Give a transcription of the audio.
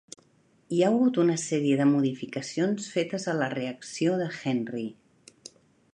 Hi ha hagut una sèrie de modificacions fetes a la reacció de Henry.